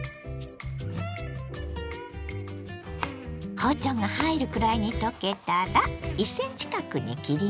包丁が入るくらいにとけたら１ｃｍ角に切ります。